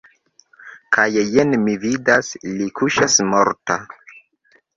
Kaj jen mi vidas – li kuŝas morta!